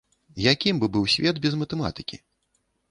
Якім бы быў свет без матэматыкі?